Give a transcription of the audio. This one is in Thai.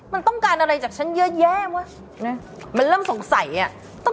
มันต้องการอะไรจากฉันเยอะแยะวะนะมันเริ่มสงสัยอ่ะ